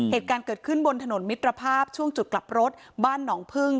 เหตุการณ์เกิดขึ้นบนถนนมิตรภาพช่วงจุดกลับรถบ้านหนองพึ่ง